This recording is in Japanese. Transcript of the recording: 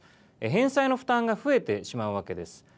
返済の負担が増えてしまうわけです。